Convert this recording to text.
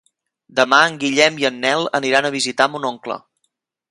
Demà en Guillem i en Nel aniran a visitar mon oncle.